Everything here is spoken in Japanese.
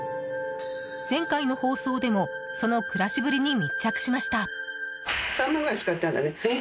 前回の放送でもその暮らしぶりに密着しました。